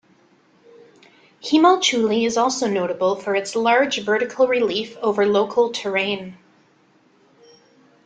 Himalchuli is also notable for its large vertical relief over local terrain.